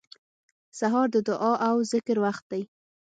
سهار د دعا او ذکر وخت دی.